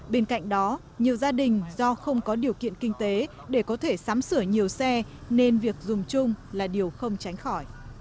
bên cạnh đó nhiều gia đình do không có điều kiện kinh tế để có thể sắm sửa nhiều xe nên việc dùng chung là điều không tránh khỏi